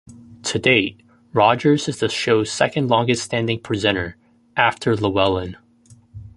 To date, Rogers is the show's second-longest standing presenter, after Llewellyn.